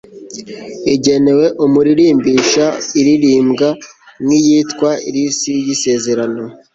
igenewe umuririmbisha. iririmbwa nk'iyitwa lisi y'isezerano